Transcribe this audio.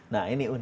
nah ini un